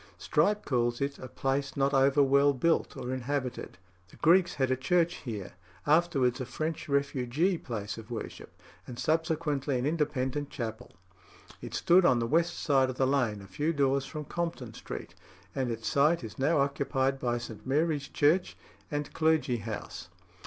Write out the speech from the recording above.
Strype calls it a "place not over well built or inhabited." The Greeks had a church here, afterwards a French refugee place of worship, and subsequently an Independent chapel. It stood on the west side of the lane, a few doors from Compton Street; and its site is now occupied by St. Mary's Church and clergy house.